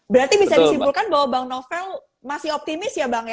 berarti bisa disimpulkan bahwa bang novel masih optimis ya bang ya